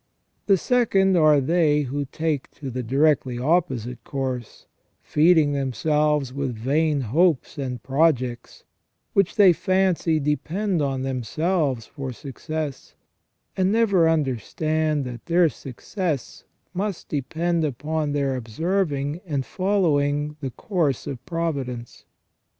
The second are they who take to the directly opposite course, feeding themselves with fvain ^hopes and projects, which they fancy depend on themselves for success, and never understanding that their success must depend upon their observing and following the course of providence.